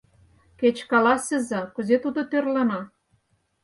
— Кеч каласыза, кузе тудо, тӧрлана?